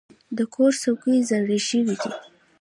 د کور څوکۍ زاړه شوي دي.